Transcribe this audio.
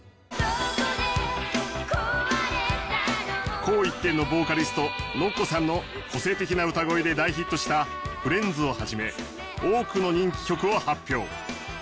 紅一点のボーカリストＮＯＫＫＯさんの個性的な歌声で大ヒットした『フレンズ』を始め多くの人気曲を発表。